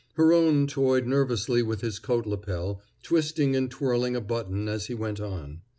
Her own toyed nervously with his coat lapel, twisting and twirling a button as he went on.